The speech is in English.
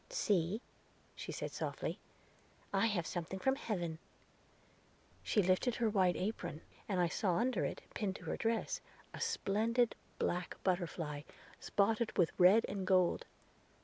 "See," she said softly, "I have something from heaven." She lifted her white apron, and I saw under it, pinned to her dress, a splendid black butterfly, spotted with red and gold.